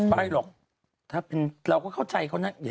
ไม่หรอกถ้าเป็นเราก็เข้าใจเขานะ